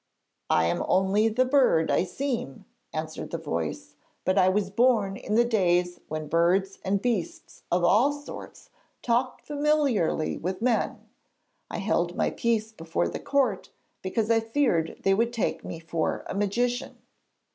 'I am only the bird I seem,' answered the voice; 'but I was born in the days when birds and beasts of all sorts talked familiarly with men. I held my peace before the court because I feared they would take me for a magician.'